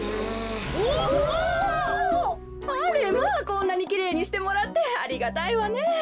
こんなにきれいにしてもらってありがたいわねえ。